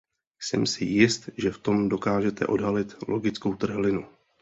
Jsem si jist, že v tom dokážete odhalit logickou trhlinu.